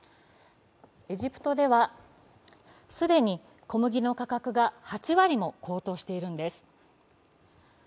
エジプトでは既に小麦の価格が８割も高騰しているんです。